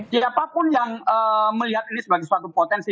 jadi itu pun yang melihat ini sebagai suatu potensi